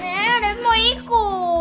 nenek mau ikut